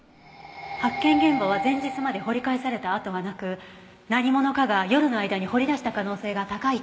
発見現場は前日まで掘り返された跡がなく何者かが夜の間に掘り出した可能性が高いって土門さんが。